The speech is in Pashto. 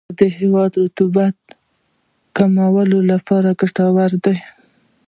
• لمر د هوا د رطوبت د کمولو لپاره ګټور دی.